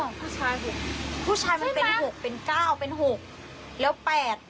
ผู้ชายหกผู้ชายมันเป็นหกเป็นเก้าเป็นหกแล้วแปด